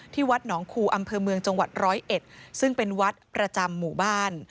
วัดหนองคูอำเภอเมืองจังหวัดร้อยเอ็ดซึ่งเป็นวัดประจำหมู่บ้าน